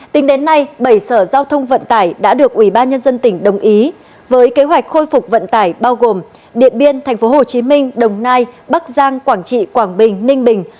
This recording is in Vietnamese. tính đến nay bảy sở giao thông vận tải đã được ubnd tỉnh đồng ý với kế hoạch khôi phục vận tải bao gồm điện biên tp hcm đồng nai bắc giang quảng trị quảng bình ninh bình